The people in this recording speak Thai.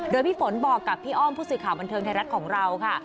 โดยพี่ฝนบอกกับพี่อ้อมผู้สื่อข่าวบันเทิงไทยรัฐของเราค่ะ